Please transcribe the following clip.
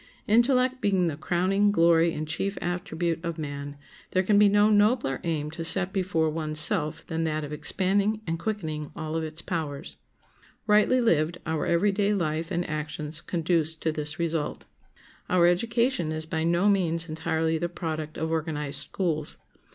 Intellect being the crowning glory and chief attribute of man, there can be no nobler aim to set before one's self than that of expanding and quickening all of its powers. Rightly lived our every day life and actions conduce to this result. Our education is by no means entirely the product of organized schools.